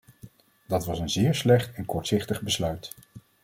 Dat was een zeer slecht en kortzichtig besluit.